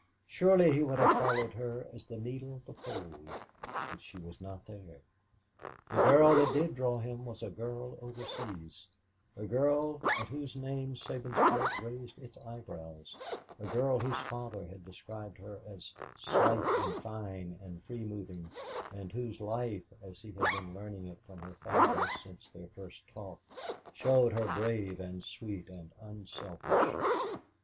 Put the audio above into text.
Surely he would have followed her as the needle the pole; but she was not there. The girl that did draw him was a girl overseas, a girl at whose name Sabinsport raised its eyebrows, a girl whose father had described her as "slight and fine and free moving," and whose life, as he had been learning it from her father since their first talk, showed her brave and sweet and unselfish.